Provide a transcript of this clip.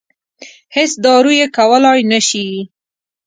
هېڅ دارو یې کولای نه شي.